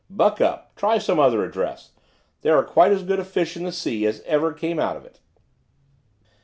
Buck up, try some other address, there are quite as good fish in the sea as ever came out of it.